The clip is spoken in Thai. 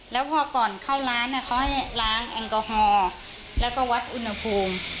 แล้วพอก่อนเข้าร้านเขาให้ล้างแอลกอฮอล์แล้วก็วัดอุณหภูมิ